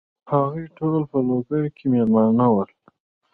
هغوی ټول په لوګر کې مېلمانه ول.